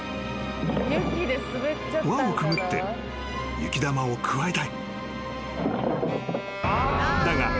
［輪をくぐって雪玉をくわえたい］